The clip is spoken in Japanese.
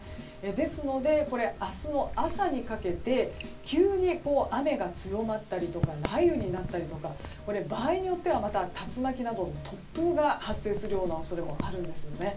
ですので、明日の朝にかけて急に雨が強まったりとか雷雨になったりとか場合によっては竜巻などの突風が発生するような恐れもあるんですよね。